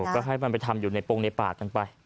ก็ให้มันไปทำอยู่ในโปรงในปากกันไป